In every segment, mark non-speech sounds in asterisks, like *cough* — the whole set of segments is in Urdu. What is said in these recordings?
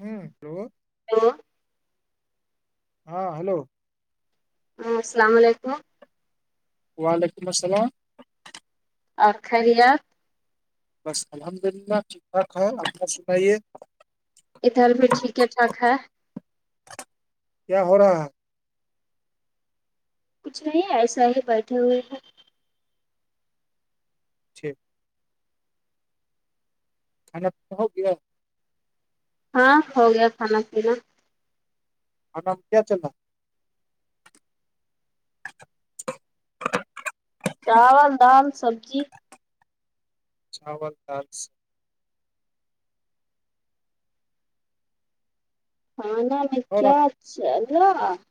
ہوں ہو ہو ہاں ہیلو ہ السلام علیکم وعلیکم السلام ا خرییا بس الحمد اللہ ٹھیک ٹاک ہے آپنا سنائیے ادھر بھی ٹھیک ہے ٹھاک ہے کیا ہو رہا ہے کچھ نہیں ایسا ہی بیٹھے ہوئے ہیں ٹھیک کھانا پا ہو گیا ہاں ہو گیا کھانا پینا اور نام کیا چل رہا ہے چاول دال سبزی *unintelligible* اور آپ *unintelligible*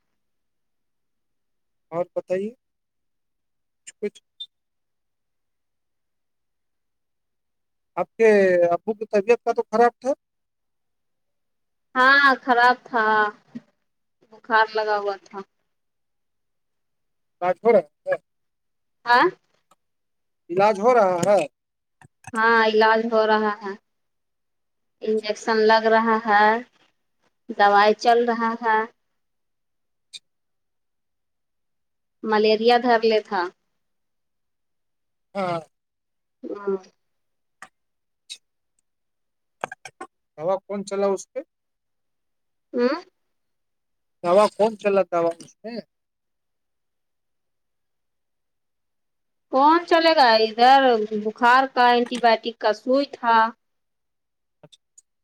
آپ بتائیے کچھ آپ کے ابو کی طبیعت کا تو خراب تھا ہاں خراب تھا بخار لگا ہوا تھا رجپورا ہاں علاج ہو رہا ہے ہاں علاج ہو رہا ہے انجیکشن لگ رہا ہے دوبائی چل رہا ہے ملیریا دھر ل تھا ہاں ہاں ہوا کون چلا اس پہ ہوں دوا کون چلا رہ تھا ہو اس میں کون چلے گا ادھر بخار کا اینٹی بایوٹک کا سوئی تھا *unintelligible*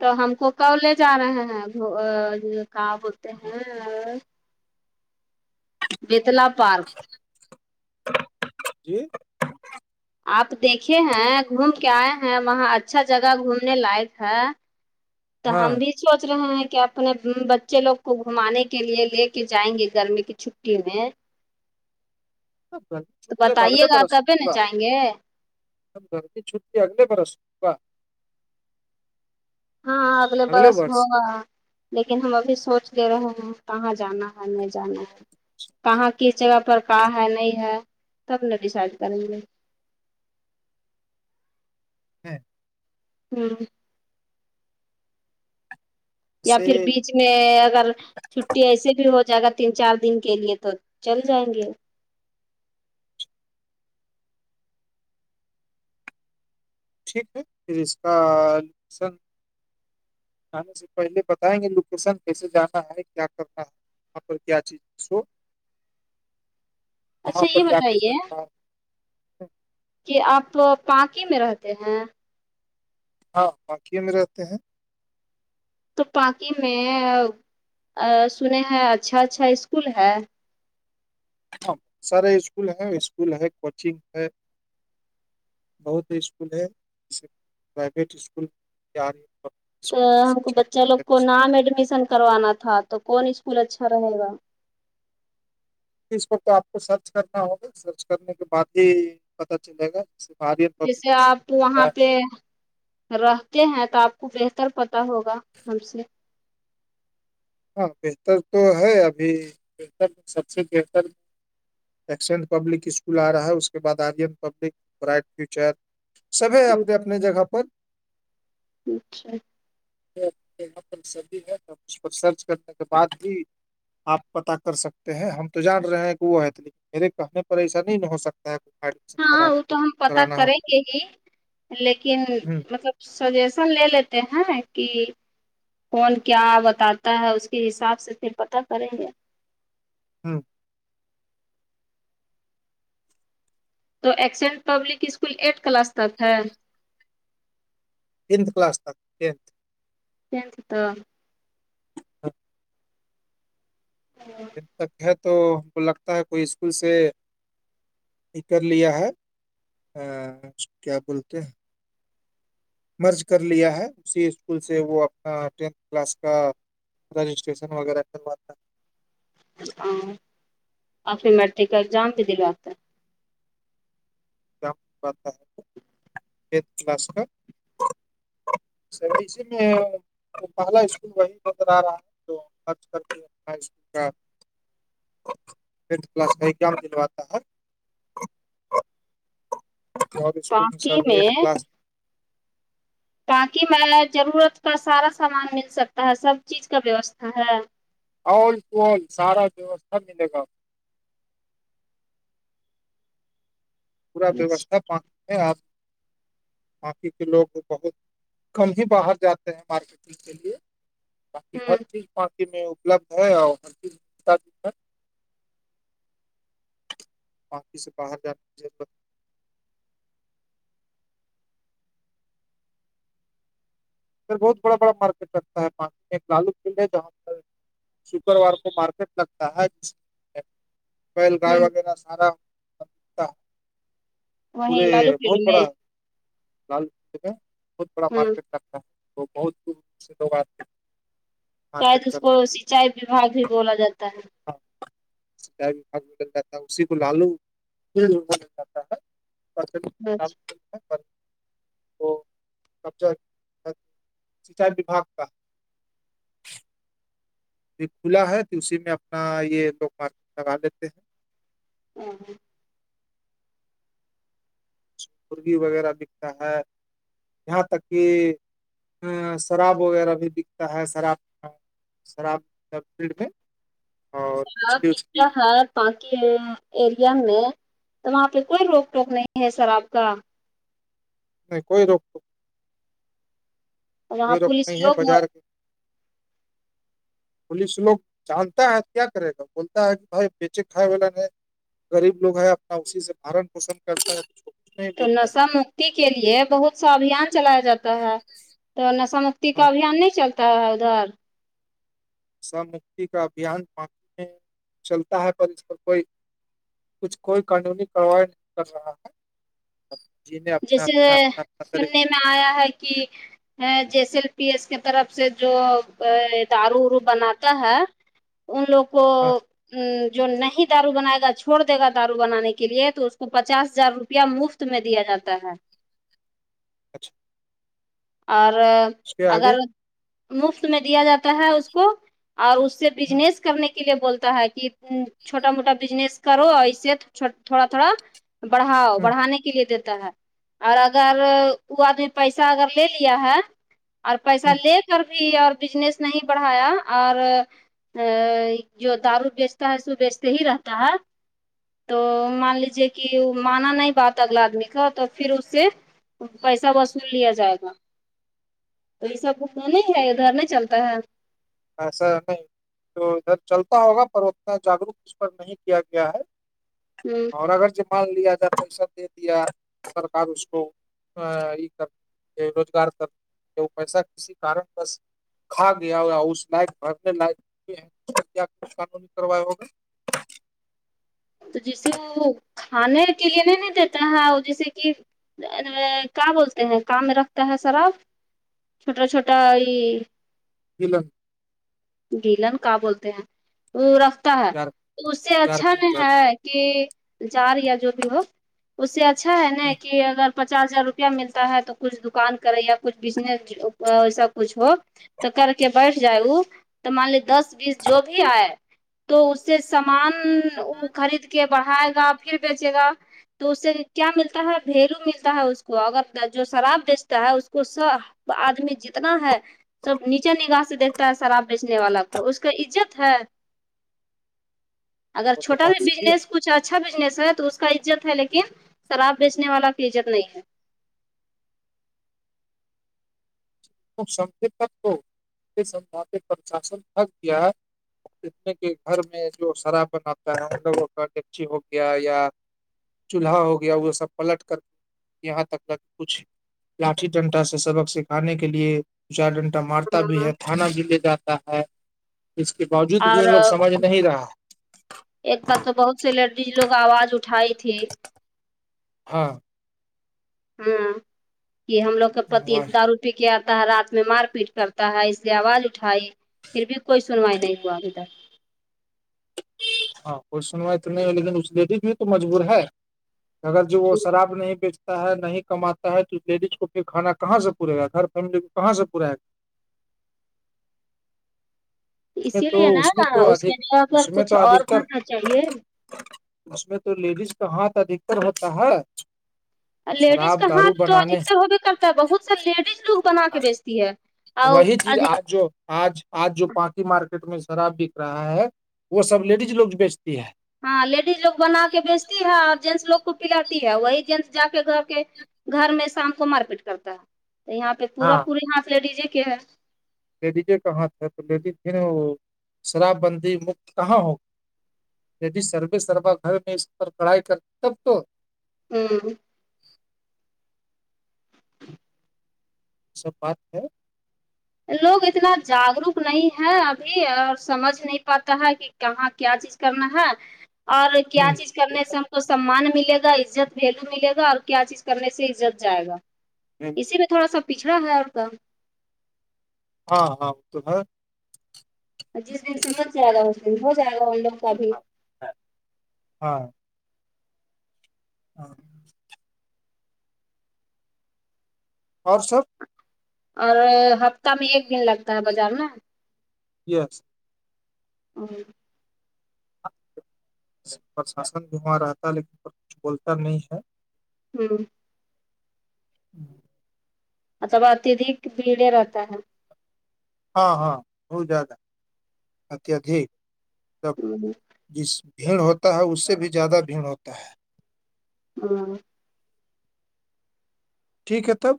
تو ہم کو کب لے جا رہے ہیں کہ بولتے ہیں بتلا پارک جی آپ دیکھے ہیں گھوم کے آئے ہیں وہاں اچھا جگہ گھومنے لائق ہے تو ہاں ہم بھی سوچ رہے ہیں کہ اپنے بچے لوگ کو گھمانے کے لیے لے کے جائیں گے گرمی کی چھٹی میں تو چے بگل بتائیے گا پرس تبھی نہ پورا جائیں گے گھر کی چھٹی اگل برسا ہاں آگل برس ہوگا لیکن ہم ابھی سوچ لے رہے ہیں کہاں جانا ہے نہیں جانا ہے کہاں کس جگہ پر کا ہے نہیں ہے تب ن ڈیسائڈ کریں گے ہوں ہاں یا پھر سے بیچ اس میں اگر چھٹی ایسے بھی ہو جائے گا تین چار دن کے لیے تو چل جائیں گے ٹھیک ہے پھر اس کان آانے سے پہلے بتائیں گے لوکیشن کیسے جانا ہے کیا کرنا ہے اں پر کیا چیز سو وہاں اچھا یہ پر جا کر بتائیے سکتا ہے کہ آپ پاناکی میں رہتے ہیں ہاں وکیے میں رہتے ہیں تو پااکی میں سنے ہیں اچھا اچھا اسکول ہے سارے اسکول ہے اسکول ہے کوچنگ ہے بہت اسکول ہے جسے پرائیویٹ اسکول ج رہی تو ہم کو بچہ لوگ کو نام ایڈمیشن کروانا تھا تو کون اسکول اچھا رہے گا اسس وقت آپ کو سرچ کرنا ہوگا سرچ کرنے کے بعد ہی پت چلے گا آاد جیسے آپ وہاں پہ رہتے ہیں تو آپ کو بہتر پتا ہوگا ہم سے ہاں بہتر تو ہے ابھی بہتر سب سے بہتر ایکسینٹ پبلک اسکول آ رہا ہے اس کے بعد آرین پبلک بائٹ فیوچر سب ہے اپنے اپنے جگہ پر اچھا اں پر س ہے اس پر سرچ کرنے کے بعد بھی آپ پتا کر سکتے ہیں ہم تو جان رہے ہیں کہ وہ ات میرے کہنے پر ایسا نہیں ہو سکتا ہے گ ہاں وہ تو ہم پتا کریں گے ہی لیکن مطلب سجیشن لے لیتے ہیں کہ کون کیا بتاتا ہے اس کے حساب سے پھر پتاہ کریں گے ہوں تو accent public school eight class تک ہے ٹت کلاس تک ٹت ین سے تو ہ ہاں تک ہے تو کو لگتا ہے کوئی اسکول سے یہ کر لیا ہے کیا بولتے ہیں مرض کر لیا ہے اسی اسکول سے وہ اپنا ٹینتھ کلاس کا رجسٹریشن وغیرہتا ہے آپھر مرتے کازام بھی دلو آپتا ام باتتا ہےھ کلاس کا اسی میں پہلا اسکول وہی بندر رہا ہے تو اسکول کاھ کلاس کا ایگزام دلواتا ہے اور اسکول میں سر باقی ایک کلاس تاکہ میں ضرورت کا سارا سامان مل سکتا ہے سب چیز کا ویوستھا ہے آل ٹو آل سارا ووستھا ملے گا پورا ویوستھا پ ہے آپ باقی کے لوگ بہت کم ہی باہر جاتے ہیں مارکیٹنگ کے لیے باق ہر ہوں چیز پانسی میں اپلبدھ ہے اور ہر چیز پاپی سے باہر جانا ر بہت بڑا بڑا مارکیٹ رکھتا ہے ایک لالو فلڈ ہے جہاں پر شکروار کو مارکیٹ لگتا ہے پل گائے ہوں وغیرہ سارا وہیں پورے لالو پیڑ بہت میں بڑا لال قعے میں بہت بڑا ہوں مارکیٹ لگتا ہے تو بہت دور سے لوگ آتے ہیں شاید مارکیٹ اس کو کرنے سچائی وباگ بھی بولا جاتا ہے سھال جاتا ہے اسی کو لالو جاتا ہے تو وہ قبضہ سنچائی وباگ کا کھلا ہے تو اسی میں اپنا یہ لوگ مارکیٹ لگا لیتے ہیں ہوں مرغی وغیرہ بکتا ہے جاں تک کہ شراب وغیرہ بھی بکتا ہے شراب شر آاب تو سب د کیا وچھلی ہات بااک ایریا میں تو وہاں پہ کوئی روک ٹوک نہیں ہے سر آپ کا نہیں کوئی روک تو اور وہاں کوئی روک پولیس نہیں ہے لوگ بازار کی پولیس لوگ جانتا ہے کیا کرے گا بولتا ہے کہ بھائی بیچے کھائے والا نے غریب لوگ ہے اپنا اسی سے بارن پوشن کرتا ہے کچھ نہیں تو بولتا ہے نشا مکتی کے لیے بہت سا ابھیان چلایا جاتا ہے تو نشا مکتی کا ہاں ابھیان نہیں چلتا ہے ادھر مکتی کا ابھیانی میں چلتا ہے پر اس پر کوئی کچھ کوئی قانونی کوائی نہیں کر رہا ہے جی نے اپنا جیسے اپنا اپنا اپنا طریق میں آیا ہے کہ ہے جیس ایل پی ایس کی طرف سے جو دارو ارو بناتا ہے ان لوگ کو ہاں ا جو نہیں دارو بناائے گا چھڑ د گا دارو بنان کے لیے تو اس کو پچاس ہزار روپیہ مفت میں دیا جاتا ہے اچھا اور اس کے آگے اگر مفت میں دیا جاتا ہے اس کو اور اس سے ہوں بزنس کرنے کے لیے بولتا ہے کہ چھوٹا موٹا بزنس کرو اور اسے تھوڑا تھوڑا بڑھاؤ ہوں بڑھانے کے لیے دیتا ہے اور اگر وہ آدمی پیسہ اگر لے لیا ہے اور پیسہ ہوں لے کر کے بھی اور بزنس نہیں بڑھایا اور جو دارو بیچتا ہے سو بیچتے ہی رہتا ہے تو مان لیجے کہ مانا نہیں باتا اگلا آدمی کا تو پھر اسے پیسہ وصول لیا جائے تو ایسا ک تو نہیں ہے ادھر نہیں چلتا ہے ایسا نہیں تو ادھر چلتا ہوگا پر اتنا جاگروک اس پر نہیں کیا گیا ہے جی اور اگر جو مان لیا جائے پیسہ دے دیا سرک اس کو یہ کر روزگار ت وہ پیسہ کسی کارن کا کھا گیا ہو اس نک بھرنے ل کیا کچھ قانونی کرو ہوگا تو جیسے وہ کھانے کے لیے نہیں نہیں دیتا ہے وہ جیسے کہ کہ بولتے ہیں کام میں رکھتا ہے سرا آپ چھوٹا چھوٹا یہ *unintelligible* گیلن کا بولتے ہیں وہ رکھتا ہے تو اس سے جار اچھا کی ن ہے جار کہ جار یا جو بھی ہو اس سے اچھا ہے نا کہ اگر پچاس ہزار روپیہ ملتا ہے تو کچھ دکان کرے یا کچھ بزنس وسا کچھ ہو تو کر کے بیٹھ جائے وہ تو مان لی دس بیس جو بھی آئے تو اس سے سامان خرید کے بڑھائے گا پھر بیچے گا تو اس سے کیا ملتا ہے بلو ملتا ہے اس کو اگر جو شراب بیچتا ہے اس کو س آدمی جتنا ہے سب نیچے نگاہ سے دیکتا ہے شراب بیچنے والا کو اس کا عزت ہے اگر وہ تو چھوٹا بات س صحیح بزنس ہے کچھ اچھا بزنس ہے تو اس کا عزت ہے لیکن شراب بیچنے والا کی عزت نہیں ہے ستک ہو اس سھ پرشاسن تک دیا جت میں کہ گھر میں جو سرابن آتا ہے اندر وہ کاچی ہو گیا یا چولہا ہو گیا وہ سب پلٹ کر یہاں تک تک کچھ لاٹھی ٹنٹا سے سبق سکھانے کے کے لیے چار ڈنٹا مارتا بھی ہے تھانہ بھی لے جاتا ہے اس کے باوجود بھی اور ان لوگ سمجھ نہیں رہا ایک بار تو بہت سےی لیڈیز لوگ آواز اٹھائی تھی ہاں ہاں یہ ہم لوگ کے پتی دار کیا آتا ہے رات میں مار پیٹ کرتا ہے اسے آواز اٹھائی پھر بھی کوئی سنوائی نہیں ہوا ابھی تک ہاں کوئی سنوائی تو نہیں ہو لیکن اس دے دی تو مجبور ہے اگر جو وہ شراب نہیں بیچ ہے نہیں کماتا ہے تو لیڈیز کو پھر کھانا کہاں سے پورے گا گھر فیملی کو کہاں سے پوراائے گا میں اسی تو لیے نا میں تو اس کے ادھک ن اس تو ادکر اس میں تو لیڈیز کا ہاتھ ادھکتر ہوتا ہے لیڈیز کا شراب دارو ہاتھ تو بنانے ادکتر ہوبے کرتا ہے بہت سا ل لیڈیز لوگ بنا کے بیچتی ہے اور وہی چیز ادھی آج جو آج آج جو پاناکی مارکیٹ میں شراب بک رہا ہے وہ سب لیڈیز لوگ بیچتی ہے ہاں لیڈیز لو بنا کے بیچتی ہے اور جینٹس لوگ کو پھلاتی ہے وہی جینٹس جا کے گا کے گھر میں شام کو مار پیٹ کرتا ہے تو یہاں پہ پورا ہاں پوری یہ پ لی ڈی جے کے ہے لیڈیج کہاں تھے تو لیڈی وہ شراب بندی مکت کہاں ہوگی د سروے سروا گھر میں اس پر کڑھائی کر تب تو ہوں سب بات ہے لوگ اتنا جاگروک نہیں ہے ابھی اور سمجھ نہیں پاتا ہے کہ کہاں کیا چیز کرنا ہے اور کیا ہ چیز کرنے سے ہم کو سمان ملے گا عت ویلو ملے گا اور کیا چیز کرنے سے عت جائے گا جی اسی میں تھوا سا پچھا ہے اور کا ہاں ہاں تو ہے جس دن سمجھ جائے گا اس دن ہو جائے گا وہ لوگ کا بھی ہاں ہاں اور سر اور ہفتہ میں ایک دن لگتا ہے بازار نا یس *unintelligible* پرشاسن بھی وہاں رہتا لیکن پر کچھ بولتا نہیں ہے ہاں ہوں الب اتیہدک بھیڑے رہتا ہے ہاں ہاں بہت زیادہ اتدک سب ہوں جس بھیڑ ہوتا ہے اس سے بھی زیادہ بھیڑ ہوتا ہے ہاں ٹھیک ہے تب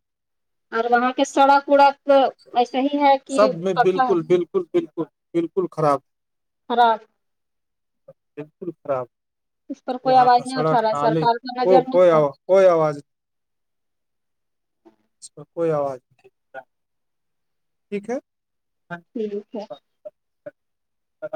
اور وہاں کے سڑک وڑک ایسے ہی ہے کہ سب میں پکا ہے بالکل بالکل بالکل بک بالکل خراب *unintelligible* بالکل خراب اس پر کوئی کا آواز نہیں سڑک اٹھا رہا ہے نال سرکار کا کو نظر نہیں کوئی ہے آواز کوئی آواز اس کوئی آواز نہیں ٹھیک ہے ٹھیک ہے ہے